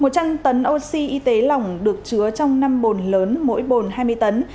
một trăm linh tấn oxy y tế lỏng được chứa trong năm bồn lớn mỗi bồn hai mươi tấn